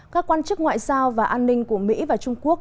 các quan chức ngoại giao và an ninh của mỹ và trung quốc